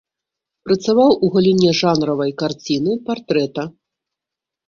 Працаваў у галіне жанравай карціны, партрэта.